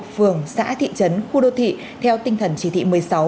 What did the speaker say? phường xã thị trấn khu đô thị theo tinh thần chỉ thị một mươi sáu